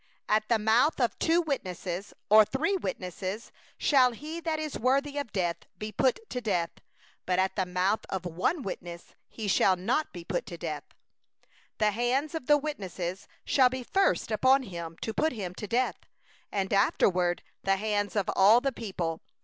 6At the mouth of two witnesses, or three witnesses, shall he that is to die be put to death; at the mouth of one witness he shall not be put to death. 7The hand of the witnesses shall be first upon him to put him to death, and afterward the hand of all the people.